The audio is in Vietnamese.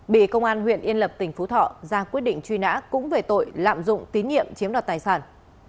bị công an huyện yên lập tỉnh phú thọ ra quyết định truy nã cũng về tội lạm dụng tín nhiệm chiếm đoạt tài sản